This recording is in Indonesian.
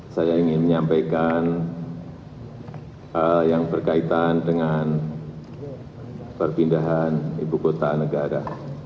saya ingin menyampaikan hal yang berkaitan dengan perpindahan ibu kota negara